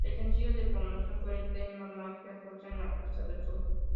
El sencillo de promoción fue el tema "Mafia rusa en la Costa del Sol".